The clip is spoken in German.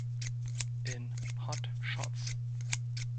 In "Hot Shots!